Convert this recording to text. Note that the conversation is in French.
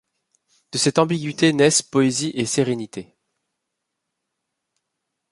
De cette ambiguïté naissent poésie et sérénité.